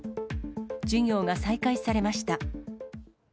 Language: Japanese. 授業が再開されました。